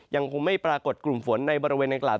ยังคงไม่ปรากฏกลุ่มฝนในบริเวณดังกล่าว